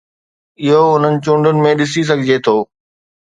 اهو انهن چونڊن ۾ ڏسي سگهجي ٿو.